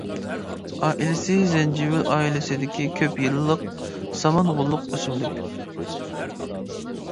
ئائىلىسى زەنجىۋىل ئائىلىسىدىكى كۆپ يىللىق سامان غوللۇق ئۆسۈملۈك.